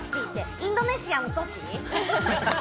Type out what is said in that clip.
インドネシアの都市？